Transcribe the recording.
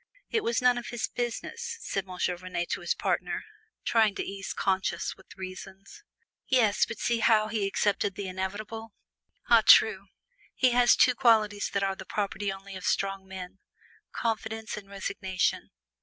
"It was none of his business!" said M. Vernet to his partner, trying to ease conscience with reasons. "Yes; but see how he accepted the inevitable!" "Ah! true, he has two qualities that are the property only of strong men: confidence and resignation.